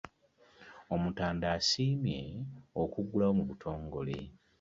Omutanda asiimye okugiggulawo mu butongole.